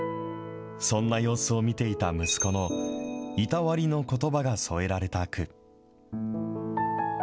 そんな様子を見ていた息子のいたわりのことばが添えられた句。